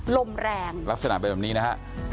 ลมแรงลักษณะเป็นแบบนี้นะฮะ